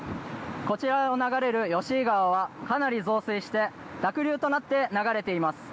こちらを流れる吉井川はかなり増水して濁流となって流れています。